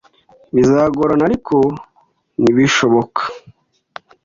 Bizagorana, ariko ntibishoboka.